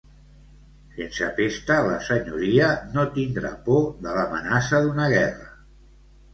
Sense pesta la Senyoria no tindrà por de I'amenaça d'una guerra.